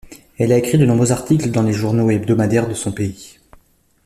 Elle a écrit de nombreux articles dans les journaux et hebdomadaires de son pays.